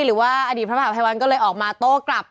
หรือว่าอดีตพระภาคพระไพรวันก็เลยออกมาโต๊ะกลับ